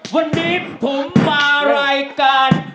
วันนี้ผมมารายการ